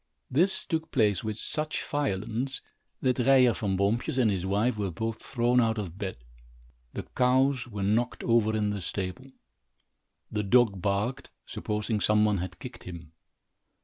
This took place with such violence, that Ryer Van Boompjes and his wife were both thrown out of bed. The cows were knocked over in the stable. The dog barked, supposing some one had kicked him.